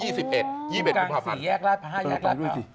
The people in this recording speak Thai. ๒๑กุมภาพันธ์โอ้โฮจังสีแยกราชภาพแยกราชภาพ